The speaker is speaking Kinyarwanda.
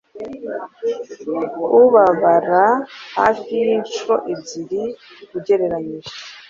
Ubabara hafi inshuro ebyiri ugereranije.